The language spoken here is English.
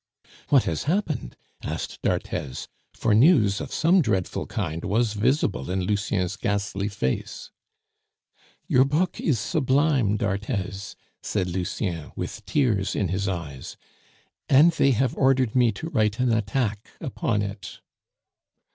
"What has happened?" asked d'Arthez, for news of some dreadful kind was visible in Lucien's ghastly face. "Your book is sublime, d'Arthez," said Lucien, with tears in his eyes, "and they have ordered me to write an attack upon it."